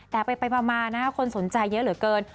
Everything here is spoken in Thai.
แต่ไปมาคนสนใจเยอะเหลือเกิน